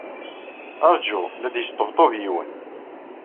Ṛju, la d-yesṭebṭub yiwen.